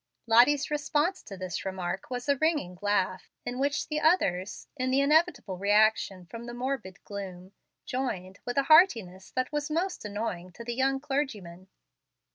Lottie's response to this remark was a ringing laugh, in which the others, in the inevitable reaction from the morbid gloom, joined with a heartiness that was most annoying to the young clergyman.